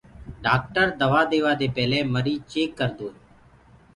ڊآڪٽر دوآ ديوآ دي پيلي ميرج چيڪ ڪردو هي۔